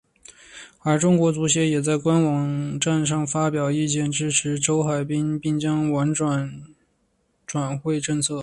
而中国足协也在官方网站上发表意见支持周海滨并将完善转会政策。